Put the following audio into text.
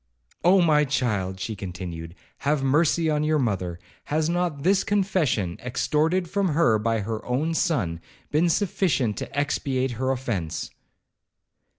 'Oh! my child,' she continued, 'have mercy on your mother. Has not this confession, extorted from her by her own son, been sufficient to expiate her offence?'